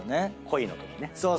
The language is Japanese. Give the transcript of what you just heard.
恋のときね。